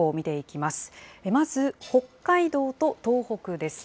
まず、北海道と東北です。